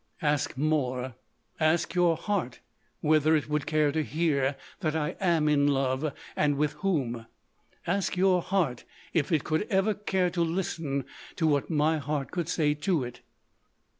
"Ask more.... Ask your heart whether it would care to hear that I am in love. And with whom. Ask your heart if it could ever care to listen to what my heart could say to it."